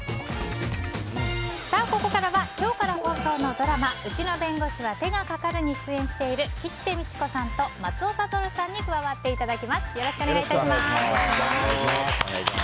ここからは今日から放送のドラマ「うちの弁護士は手がかかる」に出演している吉瀬美智子さんと松尾諭さんに加わっていただきます。